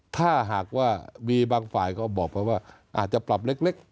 ถ้าหากว่ามีบางฝ่ายก็บอกไปว่าอาจจะปรับเล็ก